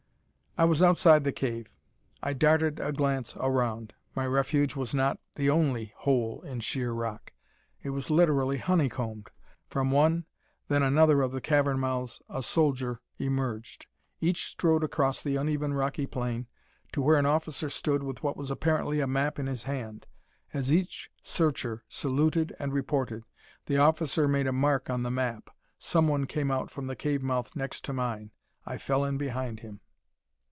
I was outside the cave. I darted a glance around. My refuge was not the only hole in sheer rock; it was literally honeycombed. From one, then another of the cavern mouths a soldier emerged. Each strode across the uneven, rocky plain to where an officer stood with what was apparently a map in his hand. As each searcher saluted and reported, the officer made a mark on the map. Someone came out from the cave mouth next to mine. I fell in behind him.